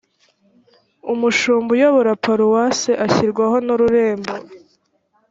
umushumba uyobora paruwase ashyirwaho nu rurembo